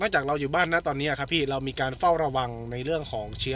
จากเราอยู่บ้านนะตอนนี้ครับพี่เรามีการเฝ้าระวังในเรื่องของเชื้อ